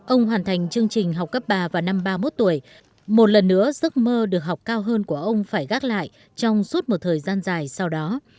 ông hoàn thành chương trình học cấp bà vào năm ba mươi một tuổi một lần nữa giấc mơ được học cao hơn của ông phải gác lại trong suốt một thời gian dài sau đó